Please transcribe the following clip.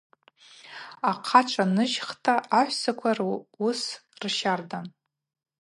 Ахъачва ныжьхта ахӏвссаквагьи уыс рщардан.